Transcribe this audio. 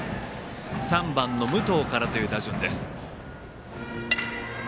３番の武藤からという打順です。